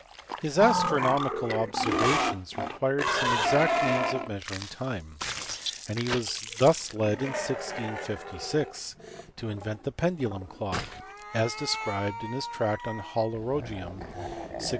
His astronomical observations required some exact means of measuring time, and he was thus led in 1656 to invent the pendulum clock, as described in his tract Horologium, 1658.